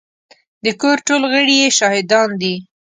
د کور ټول غړي يې شاهدان دي.